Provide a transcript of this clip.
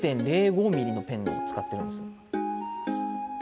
０．０５ミリのペンを使ってるんです。